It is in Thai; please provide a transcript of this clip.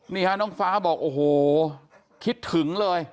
นี่ฮะน้องฟ้าบอกโอ้โหคิดถึงเลย